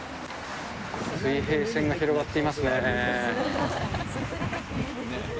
水平線が広がっていますね。